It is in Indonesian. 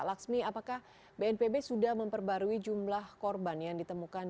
laksmi apakah bnpb sudah memperbarui jumlah korban yang ditemukan